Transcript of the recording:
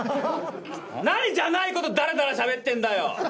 何じゃないことだらだらしゃべってんだよ。